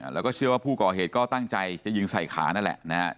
แล้วก็เชื่อว่าผู้ก่อเหตุก็ตั้งใจจะยิงใส่ขานั่นแหละนะครับ